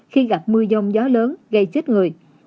khi gặp mưa giông gió lớn gây chết người